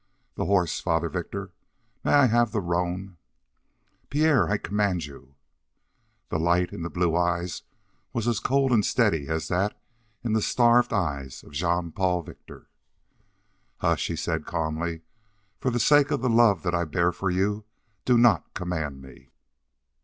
"The horse, Father Victor may I have the roan?" "Pierre, I command you " The light in the blue eyes was as cold and steady as that in the starved eyes of Jean Paul Victor. "Hush!" he said calmly. "For the sake of the love that I bear for you, do not command me."